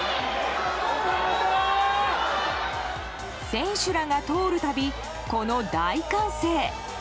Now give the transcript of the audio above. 選手らが通るたびこの大歓声。